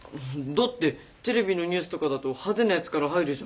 だってテレビのニュースとかだと派手なやつから入るじゃん。